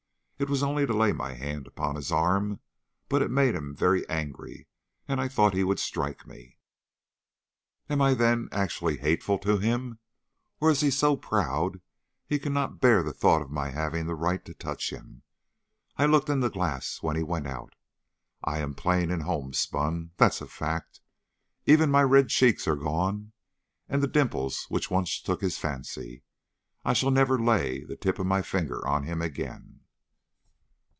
It was only to lay my hand upon his arm, but it made him very angry, and I thought he would strike me. Am I then actually hateful to him? or is he so proud he cannot bear the thought of my having the right to touch him? I looked in the glass when he went out. I am plain and homespun, that's a fact. Even my red cheeks are gone, and the dimples which once took his fancy. I shall never lay the tip of a finger on him again."